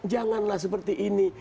janganlah seperti ini